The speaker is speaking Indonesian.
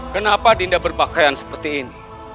kenapa dinda berpakaian seperti ini